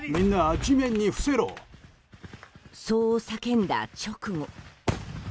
そう叫んだ直後。